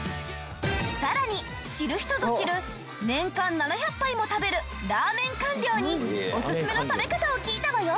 さらに知る人ぞ知る年間７００杯も食べるラーメン官僚におすすめの食べ方を聞いたのよ。